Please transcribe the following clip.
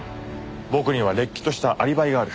僕にはれっきとしたアリバイがある。